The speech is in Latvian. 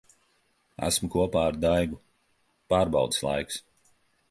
Esmu kopā ar Daigu. Pārbaudes laiks.